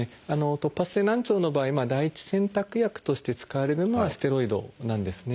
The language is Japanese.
突発性難聴の場合第一選択薬として使われるのはステロイドなんですね。